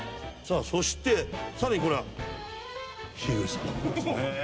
そしてさらにこれは樋口さん。